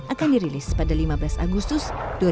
akan dirilis pada lima belas agustus dua ribu dua puluh